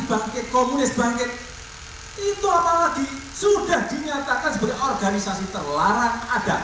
sudah dinyatakan sebagai organisasi terlarang ada